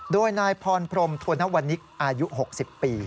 โดยนายพรพรมธนวนิกอายุ๖๐ปี